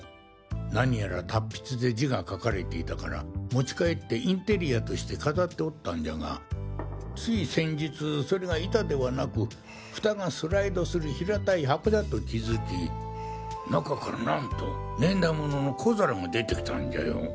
何やら達筆で字が書かれていたから持ち帰ってインテリアとして飾っておったんじゃがつい先日それが板ではなくフタがスライドする平たい箱だと気づき中からなんと年代物の小皿が出てきたんじゃよ！